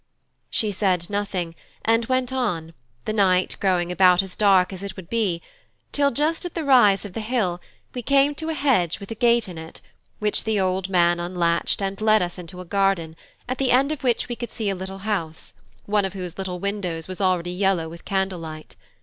She said nothing, and went on, the night growing about as dark as it would be; till just at the rise of the hill we came to a hedge with a gate in it, which the old man unlatched and led us into a garden, at the end of which we could see a little house, one of whose little windows was already yellow with candlelight.